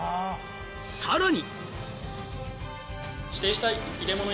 さらに。